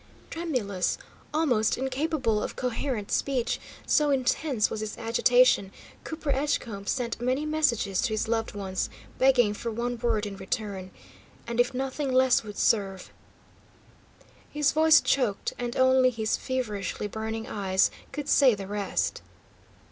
Tremulous, almost incapable of coherent speech, so intense was his agitation, Cooper Edgecombe sent many messages to his loved ones, begging for one word in return. And if nothing less would serve His voice choked, and only his feverishly burning eyes could say the rest.